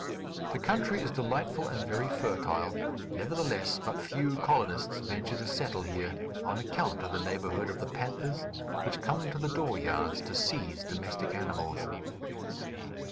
The country is delightful and very fertile; nevertheless, but few colonists venture to settle here, on account of the neighborhood of the panthers, which come to the dooryards to seize domestic animals.